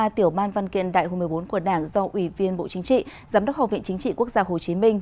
tiểu ban văn kiện đại hội một mươi bốn của đảng do ủy viên bộ chính trị giám đốc học viện chính trị quốc gia hồ chí minh